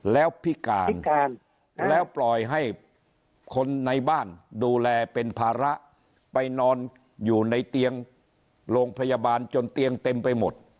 แล้วพิการแล้วปล่อยให้คนในบ้านดูแลเป็นภาระไปนอนอยู่ในเตียงโรงพยาบาลจนเตียงเต็มไปหมด